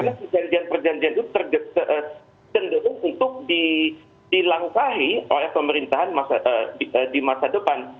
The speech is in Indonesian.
karena perjanjian perjanjian itu tergendung untuk dilangkahi oleh pemerintahan di masa depan